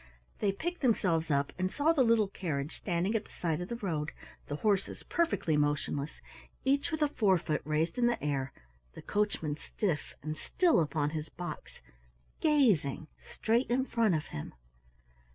They picked themselves up, and saw the little carriage standing at the side of the road, the horses perfectly motionless, each with a forefoot raised in the air, the coachman stiff and still upon his box, gazing straight in front of him.